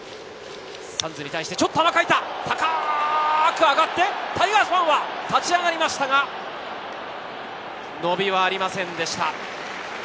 サンズに対して、甘く入った、高く入って、タイガースファンは立ち上がりましたが、伸びはありませんでした。